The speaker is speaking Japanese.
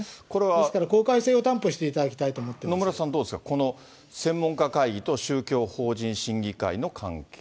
ですから、公開性を担保していた野村さん、どうですか、この専門家会議と宗教法人審議会の関係。